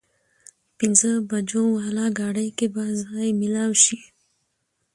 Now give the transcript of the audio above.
پينځه بجو واله ګاډي کې به ځای مېلاو شي؟